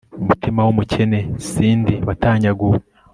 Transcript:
umutima w'umukene cindy watanyaguwe